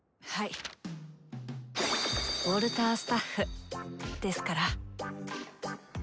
ウォルタースタッフですから。